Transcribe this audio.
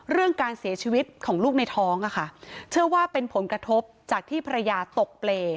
เรื่องการเสียชีวิตของลูกในท้องอะค่ะเชื่อว่าเป็นผลกระทบจากที่ภรรยาตกเปรย์